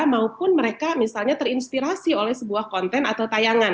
maupun mereka misalnya terinspirasi oleh sebuah konten atau tayangan